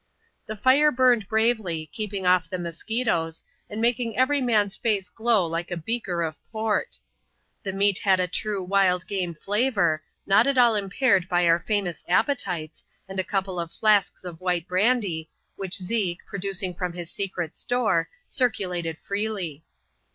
The £re burned bravely, keeping off the musquitoes, and making every man's face glow like a beaker of Port The meat had the true wild game flavour, not at all impaired by our famous •appetites, and a couple of flasks of white brandy, which Zeke, producing from his secret store, circulated freely.